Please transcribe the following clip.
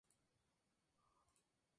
Yasuhiro Fukuda